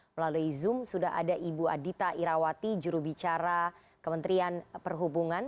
melalui zoom sudah ada ibu adita irawati jurubicara kementerian perhubungan